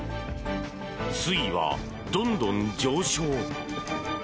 水位はどんどん上昇。